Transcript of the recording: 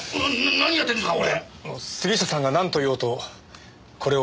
何やってんですか